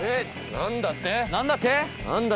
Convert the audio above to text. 何だって？